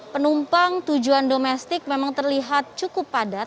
penumpang tujuan domestik memang terlihat cukup padat